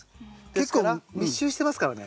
結構密集してますからね。